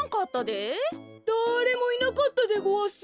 だれもいなかったでごわす。